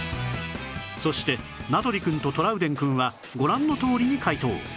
そして名取くんとトラウデンくんはご覧のとおりに解答